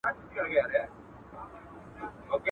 خو چي څو ورځي څپېړي پر مخ وخوري !.